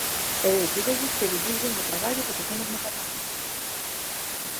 E eu pídolles que divulguen o traballo que facemos no Parlamento.